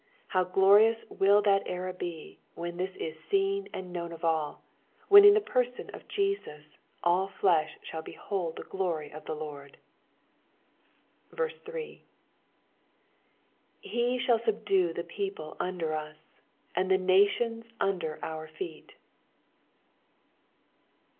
How glorious will that era be when this is seen and known of all ; when in the person of Jesus all flesh shaJt behold the glory of the Lord ! 3 He shall subdue the people under us, and the nations under our feet.